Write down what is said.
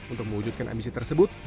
untuk mewujudkan ambisi tersebut